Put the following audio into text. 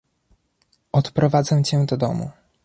Odprowadzę cię do domu.